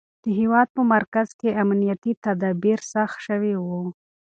د هېواد په مرکز کې امنیتي تدابیر سخت شوي وو.